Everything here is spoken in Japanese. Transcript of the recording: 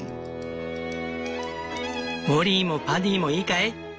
モリーもパディもいいかい？